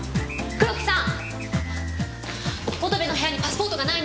黒木さん！